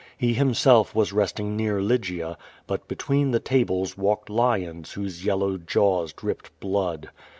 He himself was resting near Lygia; but between the tables walked lions whose yellow jaws dripped blood.